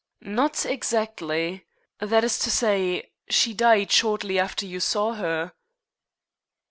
"Not exactly. That is to say, she died shortly after you saw her."